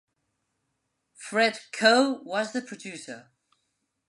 Fred Coe was the producer.